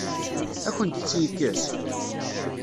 Ad akent-tt-yekkes?